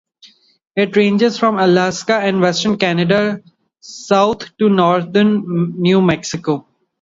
It ranges from Alaska and western Canada south to northern New Mexico.